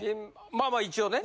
まあまあ一応ね。